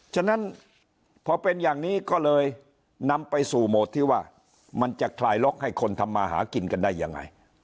ฉะนั้นพอเป็นอย่างนี้ก็เลยนำไปสู่โหมดที่ว่ามันจะคลายล็อกให้คนทำมาหากินกันได้ยังไง